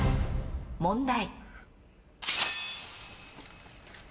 問題。